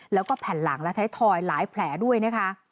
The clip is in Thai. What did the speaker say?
แล้วก็แผ่นหลังและไทยทอยหลายแผลด้วยนะคะ